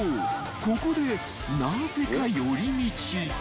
ここでなぜか寄り道］